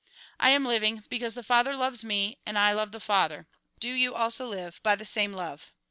I am living, because the Father loves me and I love the Father ; do you also live by the same love.